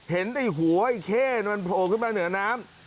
เห็นไอ้หัวไอ้เข้มันโผล่ขึ้นมาเหนือน้ำ